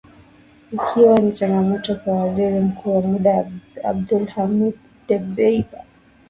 Ikiwa ni changamoto kwa Waziri Mkuu wa muda Abdulhamid Dbeibah.